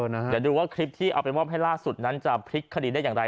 เดี๋ยวดูว่าคลิปที่เอาไปมอบให้ล่าสุดนั้นจะพลิกคดีได้อย่างไร